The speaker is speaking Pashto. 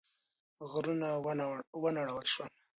غرونه ونړول شول.